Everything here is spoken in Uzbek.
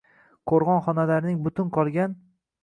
qo‘rg‘on xonalarining butun qolgan